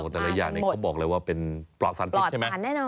แต่ละอย่างเขาบอกเลยว่าเป็นปลอดสารพิษใช่ไหม